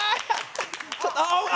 青！